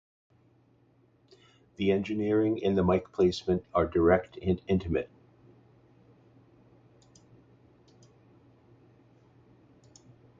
The engineering and the mike placement are direct and intimate.